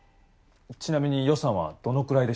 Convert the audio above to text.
ちなみに予算はどのくらいでしょうか？